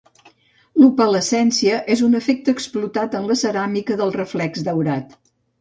L'opalescència és un efecte explotat en la ceràmica de reflex daurat.